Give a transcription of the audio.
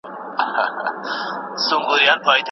لارښود د محصل هڅونه نه دروي.